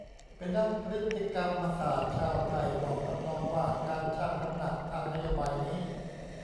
เป็นนักพฤติกรรมศาสตร์ชาวไทย บอกทำนองว่า การชั่งน้ำหนักทางนโยบายนี้